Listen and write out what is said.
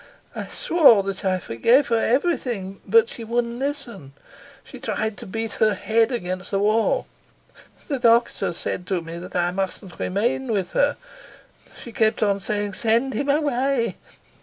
I swore that I forgave her everything, but she wouldn't listen. She tried to beat her head against the wall. The doctor told me that I mustn't remain with her. She kept on saying, 'Send him away!'